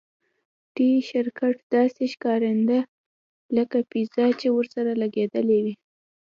ټي شرټ داسې ښکاریده لکه پیزا چې ورسره لګیدلې وي